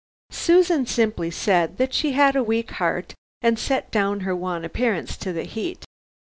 Susan simply said that she had a weak heart, and set down her wan appearance to the heat.